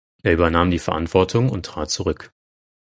Er übernahm die Verantwortung und trat zurück.